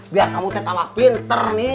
biar kamu nambah pinter